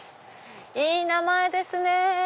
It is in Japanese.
いい名前ですね！